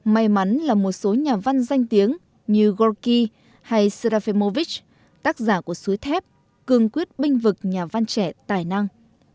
may mắn là một số nhà văn danh tiếng như goki hay sarafemovich tác giả của suối thép cường quyết binh vực nhà văn trẻ tài năng